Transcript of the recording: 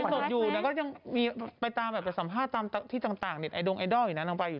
ไลฟ์สดอยู่แล้วก็ยังไปจามสัมภาษณ์ที่ต่างเนทไอดูลไอดอลอยู่นางไปอยู่